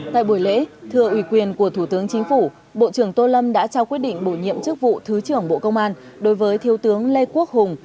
tại buổi lễ thưa uy quyền của thủ tướng chính phủ bộ trưởng tô lâm đã trao quyết định bổ nhiệm chức vụ thứ trưởng bộ công an đối với thiếu tướng lê quốc hùng